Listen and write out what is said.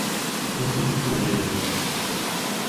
これなど極端な例のようだが、